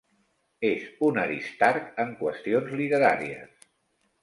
És un aristarc en qüestions literàries.